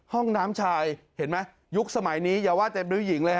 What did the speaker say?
ห้องน้ำชายเห็นไหมยุคสมัยนี้อย่าว่าเต็มรื้อหญิงเลยฮ